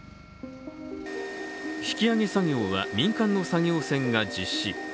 引き揚げ作業は民間の作業船が実施。